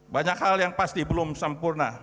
banyak hal yang pasti belum sempurna